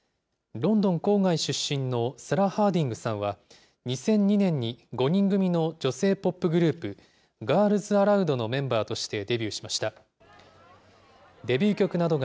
ロンドン郊外出身のサラ・ハーディングさんは、２００２年に５人組の女性ポップグループ、ガールズ・アラウドのメンバーとしてデビューしました。